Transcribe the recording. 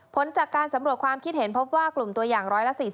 ผลจากการสำรวจความคิดเห็นพบว่ากลุ่มตัวอย่าง๑๔๐